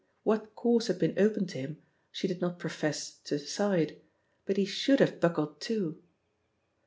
What course had been open to him she did not profess to decide, but he should have buckled to!